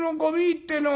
ってえのは」。